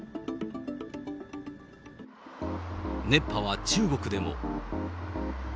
熱波は中国でも。